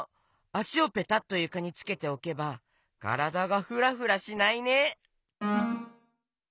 あしをペタッとゆかにつけておけばからだがふらふらしないね。